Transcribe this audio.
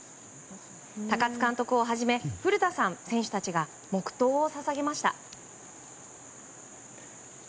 高津監督をはじめ古田さん、選手たちが黙祷を捧げました。